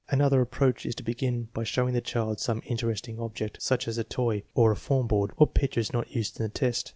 Another approach is to begin by showing the child some interesting object, such as a toy, or a form board, or pictures not used in the test.